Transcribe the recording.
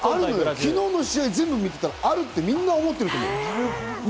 昨日の試合全部見てたから、あるってみんな思ってると思う。